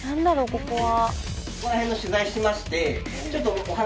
ここは？